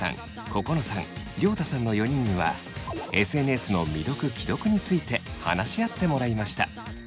ここのさん涼太さんの４人にはＳＮＳの未読・既読について話し合ってもらいました。